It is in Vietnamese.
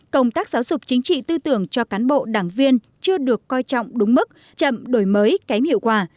công tác giáo dục chính trị tư tưởng cho cán bộ đảng viên chưa được coi trọng đúng mức chậm đổi mới kém hiệu quả